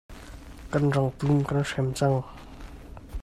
Kan rangtum kan hrem cang.